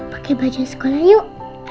pakai baju sekolah yuk